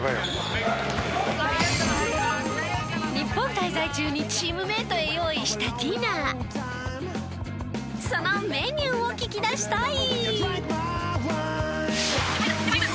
日本滞在中にチームメートへ用意したディナーそのメニューを聞き出したい！